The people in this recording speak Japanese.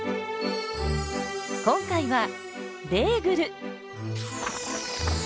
今回はベーグル！